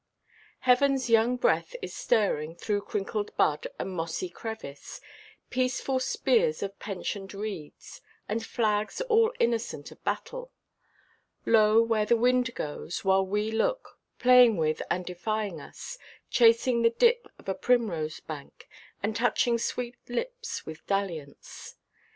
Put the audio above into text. Heavenʼs young breath is stirring through crinkled bud and mossy crevice, peaceful spears of pensioned reeds, and flags all innocent of battle. Lo, where the wind goes, while we look, playing with and defying us, chasing the dip of a primrose–bank, and touching sweet lips with dalliance.